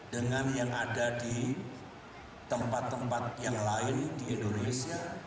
dengan yang ada di tempat tempat yang lain di indonesia